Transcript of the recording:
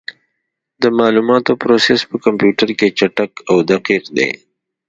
د معلوماتو پروسس په کمپیوټر کې چټک او دقیق دی.